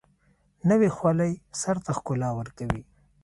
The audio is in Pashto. نوې خولۍ سر ته ښکلا ورکوي